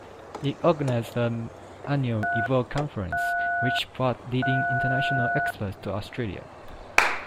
It organised the annual Evolve Conference, which brought leading international experts to Australia.